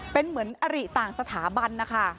เป็นเหมือนอริต่างสถาบันนะคะ